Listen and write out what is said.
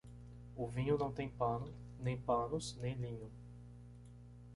O vinho não tem pano, nem panos nem linho.